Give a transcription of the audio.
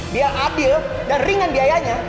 dia adil dan ringan biayanya